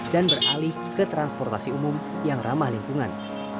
dan beralih ke transportasi umum yang ramah lingkungan